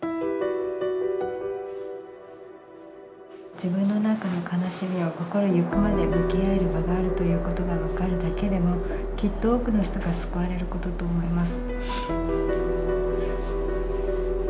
「自分の中の悲しみと心ゆくまで向き合える場があるということが分かるだけでもきっと多くの人が救われることと思います」。